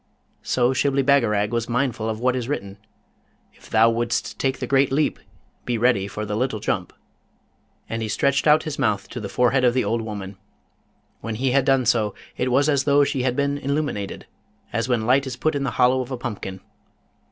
So Shibli Bagarag was mindful of what is written, If thou wouldst take the great leap, be ready for the little jump, and he stretched out his mouth to the forehead of the old woman. When he had done so, it was as though she had been illuminated, as when light is put in the hollow of a pumpkin.